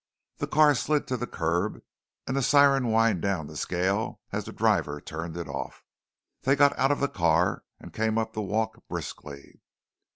The car slid to the curb and the siren whined down the scale as the driver turned it off. They got out of the car and came up the walk briskly.